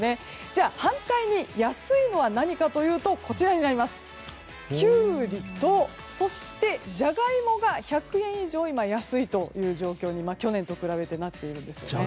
じゃあ反対に安いのは何かというとキュウリとジャガイモが１００円以上安いという状況に、去年と比べてなっているんですね。